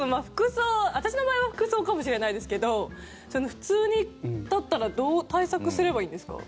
私の場合は服装かもしれないですけど普通だったらどう対策すればいいんですか？